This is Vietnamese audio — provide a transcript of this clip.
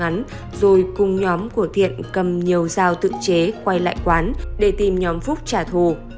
thành phúc dùng súng ngắn rồi cùng nhóm của thiện cầm nhiều dao tự chế quay lại quán để tìm nhóm phúc trả thù